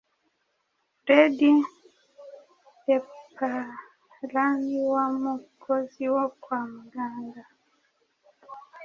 fred leparan wamukozi wo kwa muganga